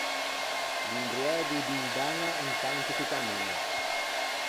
L’imbriægo o dindaña intanto ch’o cammiña.